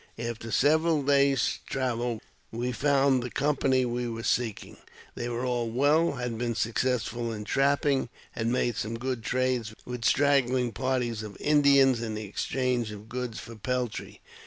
After several days' travel we found the company we were seeking. They were all well, had been successful in trapping, and had made some good trades with straggling parties of Indians in the exchange of goods for peltry.